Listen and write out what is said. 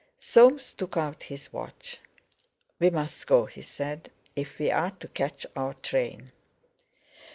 Soames took out his watch. "We must go," he said, "if we're to catch our train."